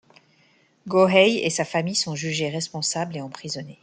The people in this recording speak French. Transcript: Gohei et sa famille sont jugés responsables et emprisonnés.